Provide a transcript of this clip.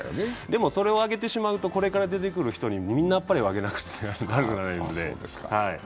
でもそれをあげてしまうとこれから出てくる人にみんなあっぱれをあげなくなるので。